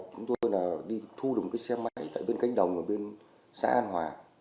chúng tôi là đi thu được một cái xe máy tại bên cánh đồng ở bên xã an hòa